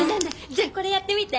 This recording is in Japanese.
じゃあこれやってみて！